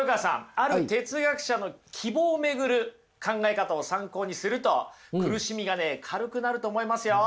ある哲学者の希望を巡る考え方を参考にすると苦しみがね軽くなると思いますよ。